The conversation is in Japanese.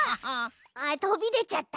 あっとびでちゃった。